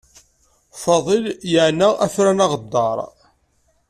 Fadil yeɛna afran aɣeddaṛ.